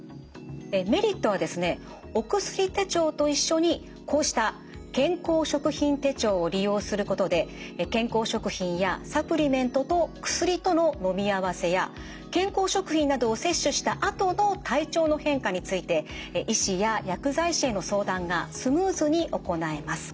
メリットはですねおくすり手帳と一緒にこうした健康食品手帳を利用することで健康食品やサプリメントと薬とののみ合わせや健康食品などを摂取したあとの体調の変化について医師や薬剤師への相談がスムーズに行えます。